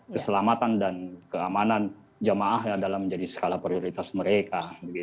keselamatan dan keamanan jemaahnya adalah menjadi skala prioritas mereka